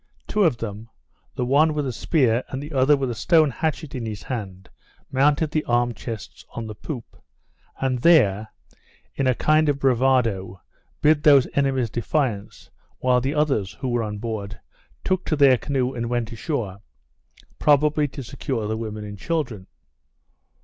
Two of them, the one with a spear, and the other with a stone hatchet in his hand, mounted the arm chests on the poop, and there, in a kind of bravado, bid those enemies defiance; while the others, who were on board, took to their canoe and went ashore, probably to secure the women and children.